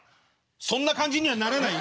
そんな感じにはならないよ